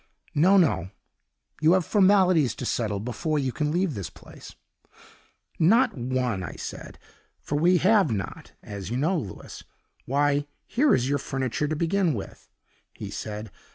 No, no, you have formalities to settle before you can leave this place.' 'Not one,' I said for we have not, as you know, Louis? 'Why, here is your furniture to begin with,' he said.